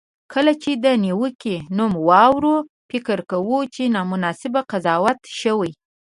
کله چې د نیوکې نوم واورو، فکر کوو چې نامناسبه قضاوت شوی.